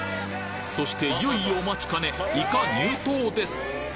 そしていよいよお待ちかねイカ入刀です！